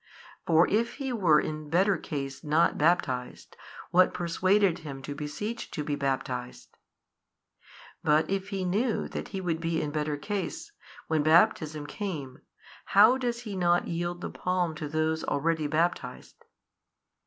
for if he were in better case not baptized, what persuaded him to beseech to be baptized? But if he knew that he would be in better case, when baptism came, how does he not yield the palm to those already baptized?